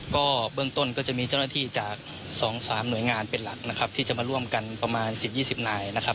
ก็เบื้องต้นก็จะมีเจ้าหน้าที่จาก๒๓หน่วยงานเป็นหลักนะครับที่จะมาร่วมกันประมาณ๑๐๒๐นายนะครับ